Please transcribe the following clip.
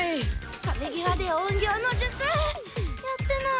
かべぎわで隠形の術！やってない。